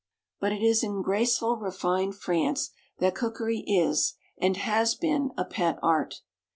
But it is in graceful, refined France that cookery is and has been, a pet art.